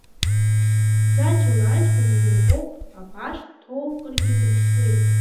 Заџьал ааихьоу зегь акоуп абааш дҭоукыргьы дыԥсуеит.